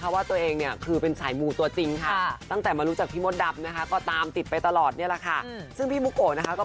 คุณผู้ชมต่อเนื้อไปเลยดีกว่านะคะอย่างที่บอกไปปริศนี้เราไปที่เบียงจันทร์ค่ะ